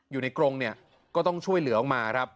กรงเนี่ยก็ต้องช่วยเหลือออกมาครับ